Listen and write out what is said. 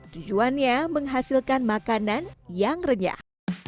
tujuannya menghasilkan makanan yang renyah